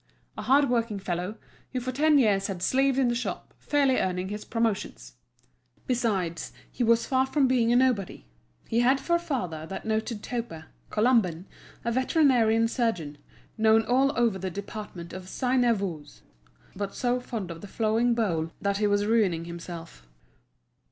A hard working fellow, who for ten years had slaved in the shop, fairly earning his promotions! Besides, he was far from being a nobody; he had for father that noted toper, Colomban, a veterinary surgeon, known all over the department of Seine et Oise, an artist in his line, but so fond of the flowing bowl that he was ruining himself.